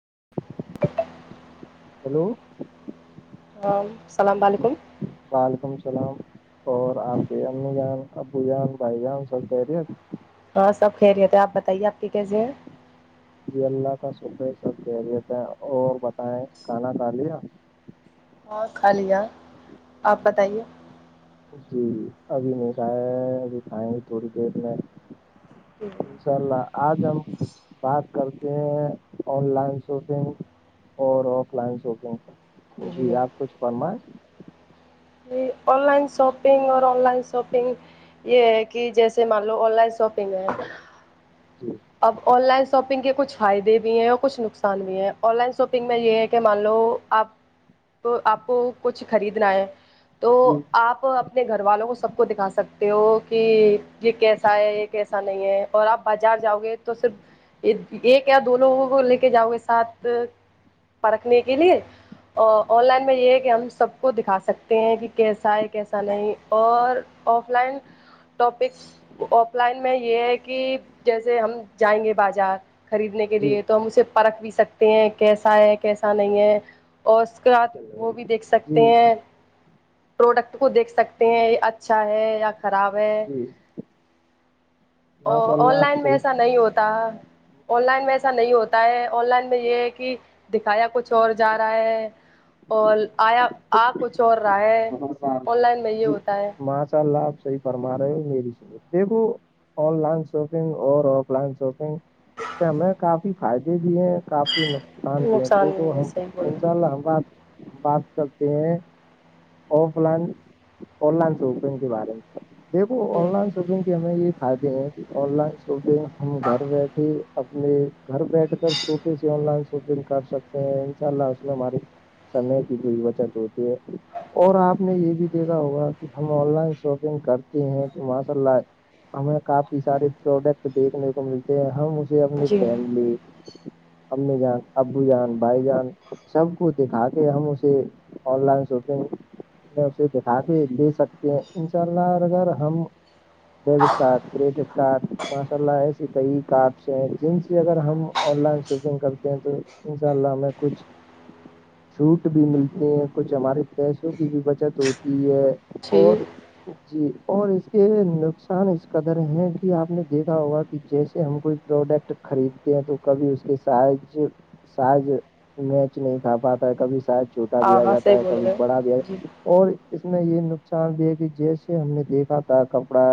[inaudible] hello السلام علیکم وعلیکم السلام اور آپے امی جان ابو جان بھائی جان سب کہہ رہی ہے ہاں سب کہ رہے تھ آ بتائیے آ کی کیسے ہے جی اللہ کا شکر سب کہہریت ہے اور بتائائےیں کھانا ک لیا ہاں خالیا آپ بتائیے جی ابھی نہیں کھایا ہے ابھی کھائائےیں گے تھوڑی دیر میں پھر انشاء اللہ آج ہم بات کرتے ہیں آن لائن شاپنگ اور آف لائن شاپنگ جی آپ کچھ فرمائیں آن لائن شاپنگ اور آن لائن شاپنگ یہ ہے کہ جیسے مان لو آن لائن شاپنگ ہے جی اب آن لائن شاپنگ کے کچھ فائدے بھی ہیں اور کچھ نقصان بھی ہیں آن لائن شاپنگ میں یہ ہے کہ مان لو آپ کو آپ کو کچھ خریدنا ہے تو جی آپ اپنے گھر والوں کو سب کو دکھا سکتے ہو کہ یہ کیسا ہے یہ کیسا نہیں ہے اور آپ بازار جاؤ گے تو صرف ایک یا دو لوگوں کو لے کے جاؤ گے ساتھ پرکھنے کے لیے آن لائن میں یہ ہے کہ ہم سب کو دکھا سکتے ہیں کہ کیسا ہے کیسا نہیں اور offline topics offline میں یہ ہے کہ جیسے ہم جائیں گے بازار خریدنے کے جی لیے تو ہم اسے پرکھ بھی سکتے ہیں کیسا ہے کیسا نہیں ہے اور اس کے بعد وہ بھی دیکھ سک جی سکتے ہیں پروڈکٹ کو دیکھ سکتے ہیں اچھا ہے یا خراب ہے جی ماشاء اور آن اللہ آپ لائن میں صحیح ایسا نہیں ہوتا آن لائن میں ایسا نہیں ہوتا ہے آن لائن میں یہ ہے کہ دکھایا کچھ اور جا رہا ہے اور آیا آ کچھ اور رہا ہے آن لائن میں یہ جی ہوتا ہے ماشاء اللہ آپ صحیح فرما رہے ہو میری دیکھو آن لائن شاپنگ اور آف لائن شاپنگ ہمیں کافی فائدے بھی ہیں کافی نقصان بھی ہے دیکھو بھی ہے ہم صحیح انشاء بولا اللہ ہم بات بات کرتے ہیں offline online shopping کے بارے میں دیکھو آن لائن شاپنگ ہمیں یہ فائدے ہیں کہ آن لائن شاپنگ ہم گھر بیٹھے اپنے گھر بیٹھ کر شاپنگ سے آن لائن شاپنگ کر سکتے ہیں انشاء اللہ اس میں ہماری سمے کی بھی بچت ہوتی ہے اور آپ نے یہ بھی دیکھا ہوگا کہ ہم آن لائن شاپنگ کرتے ہیں تو ماشاء اللہ ہمیں کافی سارے پروڈکٹ دیکھنے کو ملتے ہیں ہم اسے اپنی جی فیملی امی جان ابو جان بھائی جان سب کو دکھا کے ہم اسے آن لائن اسے دکھا کے لے سکتے ہیں ان شاء اللہ اگر ہم ڈیبٹ کارڈ کریڈٹ کارڈ ماشاء اللہ ایسے کئی کارڈس ہیں جن سے اگر ہم آن لائن شاپنگ کرتے ہیں تو ان شاء اللہ ہمیں کچھ چھوٹ بھی ملتی ہیں کچھ ہمارے پیسوں کی بھی بچت ہوتی ہے جی اور جی اور اس کے نقصان اس قدر ہیں کہ آپ نے دیکھا ہوگا کہ جیسے ہم کوئی پروڈکٹ خریدتے ہیں تو کبھی اس کے سائز شاید میچ نہیں کھا پاتا ہے کبھی شاید چھوٹا بھی ہاں آ ہاں صحیح جاتا ہے بول کبھی رہے بڑا بھی ہو جی اور اس میں یہ نقصان بھی ہے کہ جیسے ہم نے دیکھا تھا کپڑا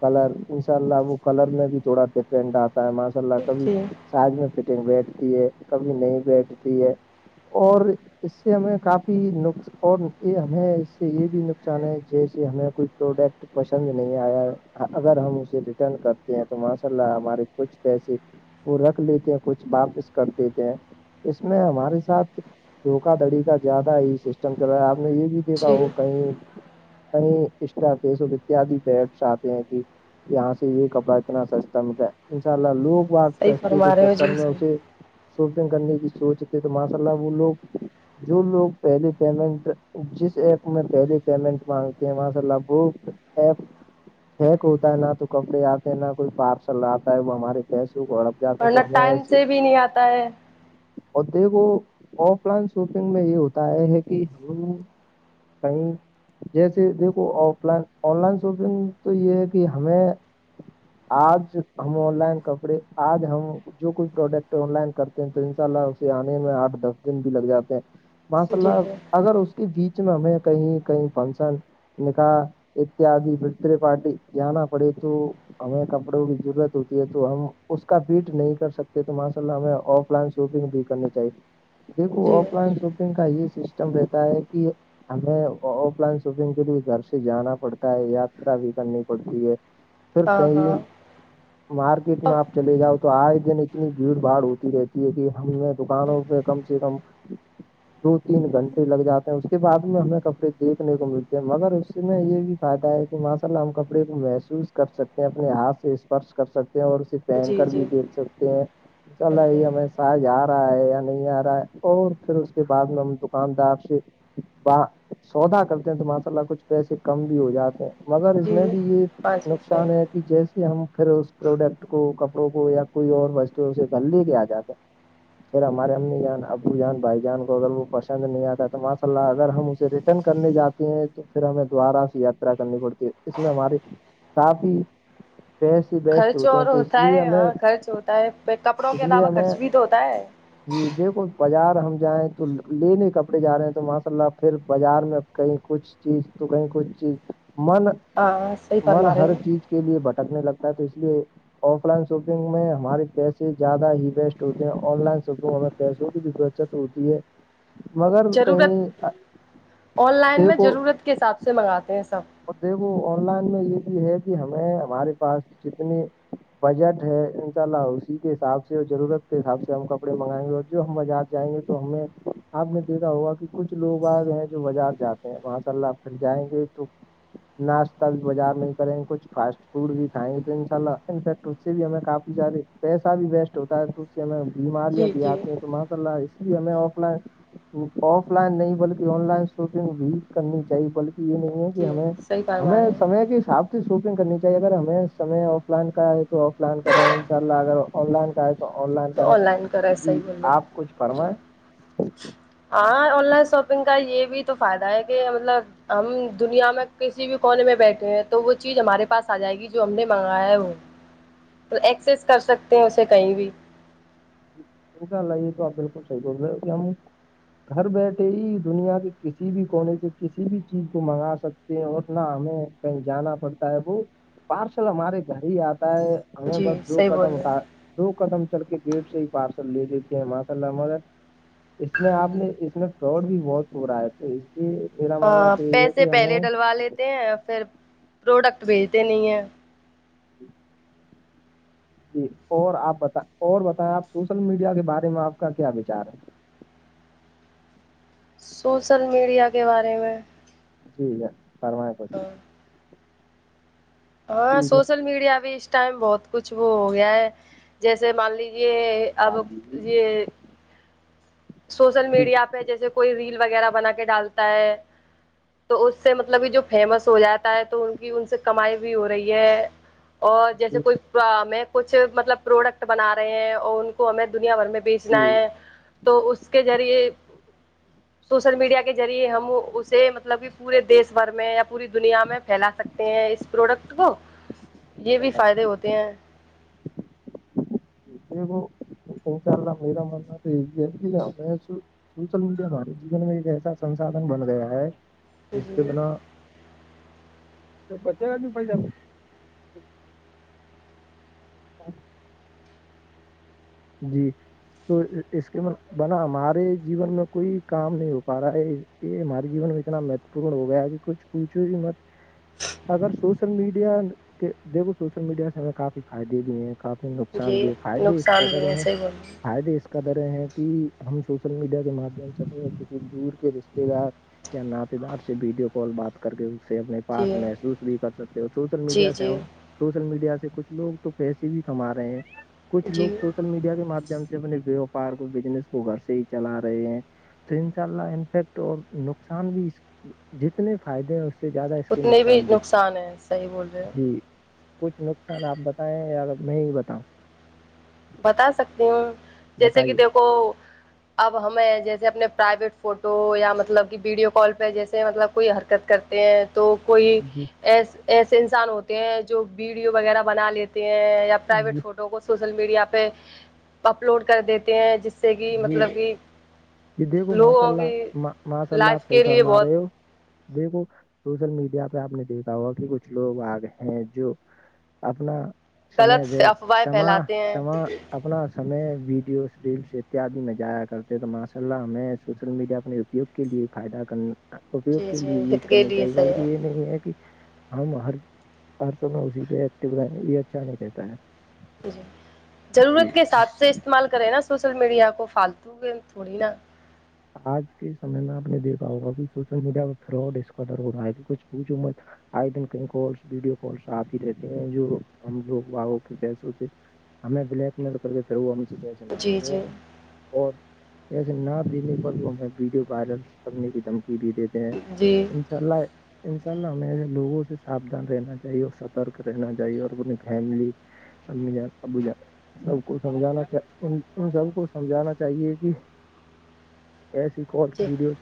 کلر انشاء اللہ وہ کلر میں بھی تھوڑا ڈفرینٹ آتا ہے ماشاء اللہ کبھی جی سائز میں فیٹنگ بیٹھتی ہے کبھی نہیں بیٹھتی ہے اور اس سے ہمیں کافی بھی نقص اور یہ ہمیں اس سے یہ بھی نقصان ہے جیسے ہمیں کوئی پروڈکٹ پسند نہیں آیا اگر ہم اسے ریٹرن کرتے ہیں تو ماشاء اللہ ہمارے کچھ پیسے وہ رکھ لیتے ہیں کچھ واپس کر دیتے ہیں اس میں ہمارے ساتھ دھوکا دھڑی کا زیادہ ہی سسٹم چل رہا ہے آپ نے یہ بھی دیکھا جی ہو کہیں کہیں اسٹا کے سو اتیاد بیٹس آتے ہیں کہ یہاں سے یہ کپڑا اتنا سستا ملا ان شاء اللہ لوگ بات صحیح سستی کے فرما رہے ہو چکر جی میں صحیح اسے شاپنگ کرنے کی سوچ تھے تو ماشاء اللہ وہ لوگ جو لوگ پہلے پیمنٹ جس ایپ میں پہلی پیمنٹ مانگتے ہیں ماشاء اللہ بہت ایپ ہیک ہوتا ہے نہ تو کپڑے آتے ہیں نہ کوئی پارسل آتا ہے وہ ہمارے پیسو کو ہڑپ جاتے ہیں ورنہ تو ہمیں ٹائم ایسے سے بھی نہیں آتا ہے اور دیکھو آف لائن شاپنگ میں یہ ہوتا ہے کہ ہم کہیں جیسے دیکھو offline online shopping تو یہ ہے کہ ہمیں آج ہم آن لائن کپڑے آج ہم جو کوئی پروڈکٹ آن لائن کرتے ہیں تو ان شاء اللہ اسے آنے میں آٹھ دس دن بھی لگ جاتا جی ماشاء جی اللہ اگر اس کے بیچ میں ہمیں کہیں کہیں فنکشن نکاح اتیادی برتھ ڈے پارٹی جانا پڑے تو ہمیں کپڑوں کی ضرورت ہوتی ہے تو ہم اس کا فٹ نہیں کر سکتے تو ماشاء اللہ ہمیں آف لائن شاپنگ بھی کرنی چاہیے دیکھو جی آف لائن شاپنگ کا یہ سسٹم رہتا ہے کہ ہمیں آف لائن شاپنگ کے لیے گھر سے جانا پڑتا ہے یاترا بھی کرنی پڑتی ہے فر ہاں کئی ہاں مارکیٹ میں آپ چلے جاؤ تو آے دن اتنی بھیڑ بھاڑ ہوتی رہتی ہے کہ ہم نے دکانوں پہ کم سے کم دو تین گھنٹے لگ جاتے ہیں اس کے بعد میں ہمیں کپڑے دیکھنے کو ملتے ہیں مگر اس میں یہ بھی فائدہ ہے کہ ماشاء اللہ ہم کپڑے کو محسوس کر سکتے ہیں اپنے ہاتھ سے اسپرش کر سکتے ہیں اور اسی پہن جی کر بھی جی دیکھ سکتے ہیں چل ہاں ہاں یہ ہمیں ساج آ رہا ہے یا نہیں آ رہا ہے اور پھر اس کے بعد میں ہم دکاندار سے سودا کرتے ہیں تو ماشاء اللہ کچھ پیسے کم بھی ہو جاتے ہیں مگر اس جی میں بھی یہ ہاں جی صحیح نقصان ہے کہ جیسے ہم پھر اس پروڈکٹ کو کپڑوں کو یا کوئی اور وستو اسے گھر لے کے آ جاتا پھر ہمار ا می جا ن وجان بھائی جان کو اگر وہ پسند نہیں آتا تو ماشاء اللہ اگر ہم اسے ریٹرن کرنے جاتے ہیں تو پھر ہمیں دوبارہ سے یاترا کرنی پڑتی ہے اس میں ہماراری کافی پیسے ویسٹ خرچ ہوتے ہیں اور تو اس ہوتا لیے ہے ہمیں ہاں خرچ ہوتا ہے پ کپڑوں اس کے لیے علاوہ ہمیں خرچ بھی تو ہوتا ہے جی دیکھو بازار ہم جائیں تو لینے کپڑے جا رہے ہیں تو ماشاء اللہ پھر بازار میں کہیں کچھ چیز تو کہیں کچئی چیز من ہاں صحیح من فرما رہے ہر ہو چیز کا کے لیے بٹکنے لگتا ہے تو اس لیے آف لائن شاپنگ میں ہمارے پیسے زیادہ ہی بیسٹ ہوتے ہیں آن لائن شاپنگ ہمیں پیسوں بھی بچت ہوتی ہے مگر ضرورت کہیں آن لائن میں دیکھو ضرورت کے حساب سے منگاتے ہیں سب اور دیکھو آن لائن میں یہ بھی ہے کہ ہمیں ہمارے پاس جتنی بجٹ ہے انشاء اللہ اسی کے حساب سے اور ضرورت کے حساب سے ہم کپڑے منگائیں گے اور جو ہم بجٹ جائیں گے تو ہمیں آپ نے دیکھا ہوگا کہ کچھ لوگ آ گئے ہیں جو بازار جاتے ہیں وہاں سے اللہ اھر جائیں گے تو ناشتہ بھی بازار میں کریں کچھ فاسٹ فوڈ بھی کھائیں گے تو ان شاء ال تو اس سے بھی ہمیں کافی سارے پیسہ بھی ویسٹ ہوتا ہے تو اس سے ہمیں بیماریاں جی بھی جی آتی ہیں تو ماشا اللہ جی ہمیں آف لائن آف لائن نہیں بلکہ آن لائن شاپنگ بھی کرنی چاہیے بلکہ یہ نہیں ہے جی ہمیں صحیح فرما ہمیں رہے ہیں سمے کے حساب سے شاپنگ کرنی چاہے اگر ہمیں سمے آف لائن کا ہے تو آف لائن کریں ان شاء اللہ اگر آن لائن کا ہے تو تو آن لائن کریں آن لائن کرا ہے صحیح جی بول رہے آپ کچھ ہیں جی فرمائیں ہاں آن لائن شاپنگ کا یہ بھی تو فائدہ ہے کہ مطلب ہم دنیا میں کسی بھی کونے میں بیٹھے ہیں تو وہ چیز ہمارے پاس آ جائے گی جو ہم نے منگایا ہے وہ ایکسس کر سکتے ہیں اسے کہیں بھی انشاہ اللہ یہ تو آپ بالکل صح بول رہے ہو ہم گھر بیٹھے ہی دنیا کے کسی بھی کونے سے کسی بھی چیز کو منگا سکتے اورنا ہمیں کہیں جانا پڑتا ہے وہ پارشل ہمارے گھر ہی آتا ہے ہمیں جی بس دو صحیح بول قدم رہے ہیں دو قدم چل کے گیٹ سے ہی پار لے لیتے ہیں ماشاء اللہ مگر اس میں آپ نے اس میں فراڈ بھی بہت برا ہے تو لیے میرا ماننا ہاں تو یہ ہے پیسے کہ پہلے ہمیں ڈلوا لیتے ہیں پھر پروڈکٹ بھیجتے نہیں ہیں جی جی اور آپ بتا اور بتائیں آپ سوشل میڈیا کے بارے میں آپ کا کیا وچار ہے سوسل میڈیا کے بارے میں جی ج فرمائیں کر ہاں ہاں جی میں- سوشل میڈیا بھی اس ٹائم بہت کچھ وہ ہو گیا ہے جیسے مان لیجے آب یہ سوشل جی میڈیا پہ جیسے کوئی ریل وغیرہ بنا کے ڈالتا ہے تو اس سے مطلب کہ جو فیمس ہو جاتا ہے تو ان کی ان سے کمائی بھی ہو رہی ہے اور جیسے جی کوئی ہمیں کچھ مطلب پروڈکٹ بنا رہے ہیں اور ان کو ہمیں دنیا بھر میں بیج ل جی ہے تو اس کے ذریعے سوشل میڈیا کے ذریعے ہم اسے مطلب کہ پورے دیش بھر میں یا پوری دنیا میں پھیلا سکتے ہیں اس پروڈکٹ کو جی یہ بھی جناب فائدے ہوتے ہیں یہ وہ پہنچا میرا منا تو یہ ج ہم آ سوشل میڈیا ہمارے جیون میں ایک ایسا سساادھن بن گیا ہے جس کے جی بنا تو بچے گا کی پ ہاں جی تو اس کے بنا ہمارے جیون میں کوئی کام نہیں ہو پا رہا ہے یہ ہمارے جیون میں اتنا مہتو پور ہو گیا ہے کہ کچھوچھو گ کہ مت اگر سوشل میڈیا کے دیکھو سوشل میڈیا سے ہمیں کافی فائدے بھی ہیں کافی نقصان جی بھی ہے فائدے اس نقصان بھی قدر ہے ہیں صحیح بول رہے فائدے اس کا در ہیں کہ ہم سوشل میڈیا کے مادھیم سے کسی دور کے رشتے دار یا نعاتے دار سے ویڈیو کال بات کر کر کے اس سے اپنے ہیں جی پاس محسوس بھی کر سکتے ہو سوشل جی میڈیا سے جی ہم سوشل میڈیا سے کچھ لوگ تو پیسے بھی کما رہے ہیں کچھ لوگ جی سل میڈیا کے ماددھیم سے اپنے ووپار کو بزنس کو گھر سے ہی چلا رہے ہیں تو ان شاء اللہ انفیکٹ اور نقصان بھی جتنے فائدے ہیں سے زیادہ اس کے اتنے نقصان بھی ہیں صحیح بول رہے ہو جی کچھ نقصان آپ بتائیں یا میں ہی بتاؤں بتا سکتی ہوں جیسے کہ بتائیے دیکھو اب ہمیں جیسے اپنے پرائیویٹ فوٹو یا مطلب کہ ویڈیو کال پہ جیسے مطلب کوئی حرکت کرتے ہیں تو کوئی جی ایسے انسان ہوتے ہیں جو ویڈیو وغیرہ بنا لیتے ہیں یا پرائیویٹ جی فوٹو کو سوشل میڈیا پہ اپلوڈ کر دیتے ہیں جس سے کہ جی مطلب کہ یہ دیکھو ماشاء لوگوں اللہ کی ماشاء اللہ لائف آپ صحیح کے لیے فرما بہت رہے ہو دیکھو سوشل میڈیا پہ آپ نے دیکھا ہوا کہ کچھ لوگ آگئے ہیں جو اپنا سے غلط و افواہیں سما پھیلاتے ہیں سما اپنا سے ویڈیوز ریلس اتیادی میں جایا کرتے ہیں تو ماشاء اللہ ہمیں سوشل میڈیا اپنے اپیوگ کے لیے فائدہ کر اپیوگ جی کے جی لیے یوز ہت کے کرنی لیے چاہیے صحیح بلکہ ہے یہ نہیں ہے کہ ہم ہر ہر سب اسی پہ ایکٹو رہے یہ اچھا نہیں کہتا ہے جی جی ضرورت کے حساب سے استعمال کرے نا سوشل میڈیا کو فالتو کے تھوڑی نا آج کے سمے نہ آپ نے دیکھا ہوا سوشل میڈیا پہ فراڈ اس کار ہو رہا ہے کچھ پوھ آئے دن کئی کالس ویڈیو کالس آ ہی رہتے ہیں جو ہم لوگ ووں کے پیسوں سے ہمیں بلیک میل کر کے پھر وہ سے کیسے ن جی جی اور کیسے ننے کو ہمیں ویڈیو وائرل کرنے کی دھمکی بھی دیتے ہیں جی ان شاء اللہ انشاء اللہ ہمیشہ لوگوں سے ساوھان رہنا چاہیے اور سترک رہنا چاہیے اور اپنی فیملی امی جان ابو جان سب کو سمجھانا ان سب کو سمجھانا چاہیے کہ ایسی کالس جی ویڈیوز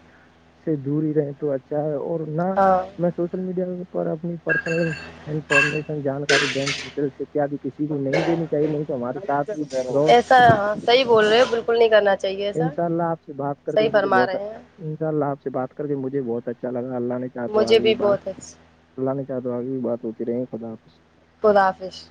سے دور ہی رہے تو اچھا ہے اور نہ ہاں میں سوشل میڈیا پر اپنی پرسنل انفارمیشن جانکاری بینک ڈیٹیل سے کیاب کسی کو نہیں دینی چاہیے نہیں تو ہمارے ساتھ ایسا ہاں صحیح بول رہے تا ہو ہے بالکل نہیں کرنا چاہیے ایسا ان شاء اللہ آپ سے بات کر صحیح مجھے فرما بہت رہے ہیں ان شاء اللہ آپ سے بات کر کے مجھے بہت اچھا لگا اللہ نے چاہ تو مجھے آگئی ہو بھی بہت بات اچھا اللہ نے چاہ تو آگئی ہوئی بات ہوتی رہی خدا خدافش